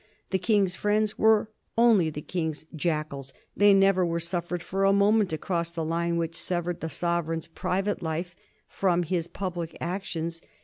The King's friends were only the King's jackals; they never were suffered for a moment to cross the line which severed the sovereign's private life from his public actions.